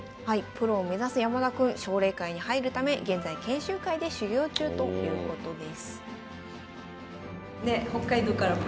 プロを目指す山田君奨励会に入るため現在研修会で修行中ということです。